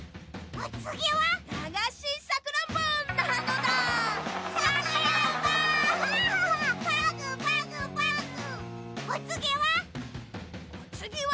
おつぎは。